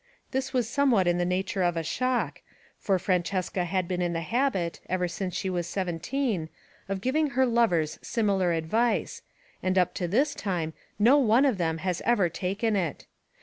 This was some what in the nature of a shock, for Francesca has been in the habit, ever since she was seventeen, of giving 126 THE WOMEN WHO MAKE OUR NOVELS her lovers similar advice, and up to this time no one of them has ever taken it.